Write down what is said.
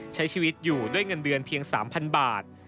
ใช้ชีวิตอยู่ด้วยเงินเดือนเพียง๓๐๐บาท